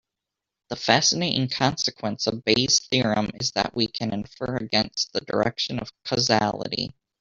The fascinating consequence of Bayes' theorem is that we can infer against the direction of causality.